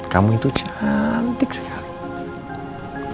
kamu itu cantik sekali